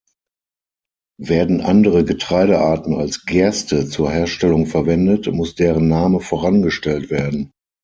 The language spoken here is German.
Werden andere Getreidearten als Gerste zur Herstellung verwendet, muss deren Name vorangestellt werden.